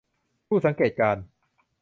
ผู้สังเกตการณ์